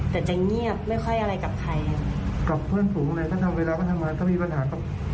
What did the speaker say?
แต่จะเงียบไม่ค่อยอะไรกับใครกับเพื่อนฝูงอะไรก็ทำเวลาก็ทำงานก็มีปัญหากับ